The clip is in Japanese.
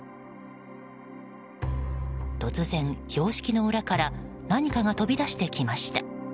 突然、標識の裏から何かが飛び出してきました。